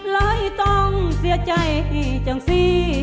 เลยต้องเสียใจจังสิ